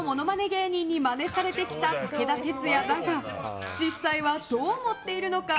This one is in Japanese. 芸人にマネされてきた武田鉄矢だが実際はどう思っているのか？